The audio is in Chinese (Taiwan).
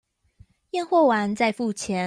驗貨完再付錢